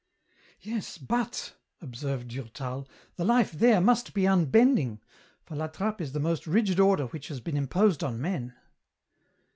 " Yes, but," observed Durtal, " the life there must be un bending, for La Trappe is the most rigid order which has been imposed on men."